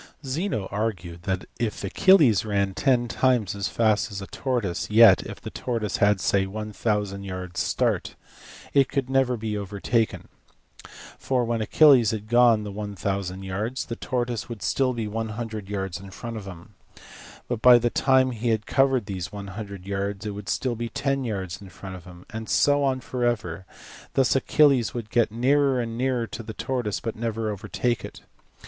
Zeno argued that if Achilles ran ten times as fast as a tortoise, yet if the tortoise had (say) 1000 yards start it could never be overtaken : for, when Achilles had gone the 1000 yards, the tortoise would still be 100 yards in front of him; by the time he had covered these 100 yards, it would still be 10 yards in front of him ; and so on for ever : thus Achilles would get nearer and nearer to the tortoise but never overtake it.